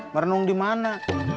merenung di mana